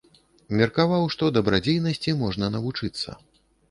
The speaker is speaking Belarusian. Меркаваў, што дабрадзейнасці можна навучыцца.